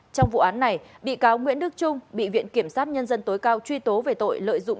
trong vụ án này bị cáo nguyễn đức trung bị viện kiểm sát nhân dân tối cao truy tố về tội lợi dụng